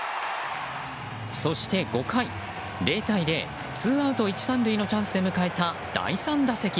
そして５回、０対０ツーアウト１、３塁のチャンスで迎えた第３打席。